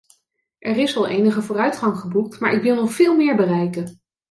Er is al enige vooruitgang geboekt, maar ik wil nog veel meer bereiken.